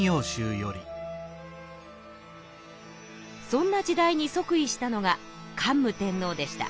そんな時代に即位したのが桓武天皇でした。